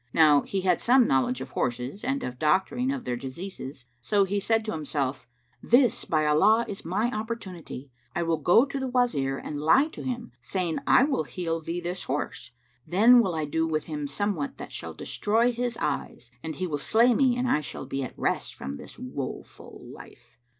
Now he had some knowledge of horses and of the doctoring of their diseases; so he said to himself, "This by Allah is my opportunity! I will go to the Wazir and lie to him, saying, 'I will heal thee this horse': then will I do with him somewhat that shall destroy his eyes, and he will slay me and I shall be at rest from this woe full life."